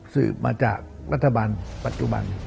สืบมาจากรัฐบาลปัจจุบัน